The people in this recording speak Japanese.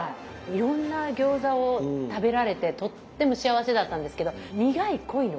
いろんな餃子を食べられてとっても幸せだったんですけど苦い恋の思い出。